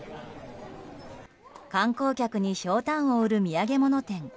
観光客にひょうたんを売る土産物店。